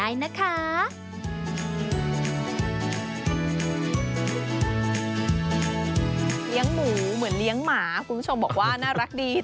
เลี้ยงหมูเหมือนเลี้ยงหมาคุณผู้ชมบอกว่าน่ารักดี